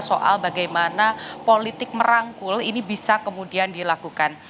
soal bagaimana politik merangkul ini bisa kemudian dilakukan